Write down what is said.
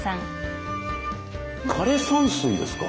枯山水ですか。